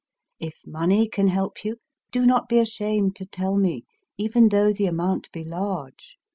If money can help you, do not be ashamed to tell me, even though the amount be large.